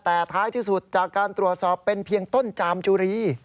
แต่ท้ายที่สุดจากการตรวจสอบเป็นเพียงต้นจามจุรี